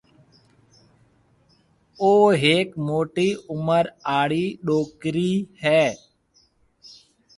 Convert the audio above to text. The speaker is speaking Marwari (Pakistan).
او هيڪ موٽِي عُمر آݪِي ڏوڪرِي هيَ۔